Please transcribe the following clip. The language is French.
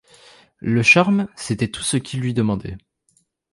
Le charme, c’était tout ce qu’il lui demandait.